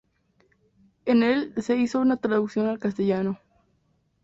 En el se hizo una traducción al castellano.